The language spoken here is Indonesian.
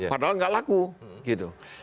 padahal gak laku